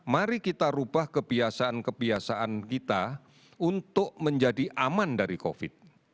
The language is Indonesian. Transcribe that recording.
mari kita ubah kebiasaan kebiasaan kita untuk menjadi aman dari covid sembilan belas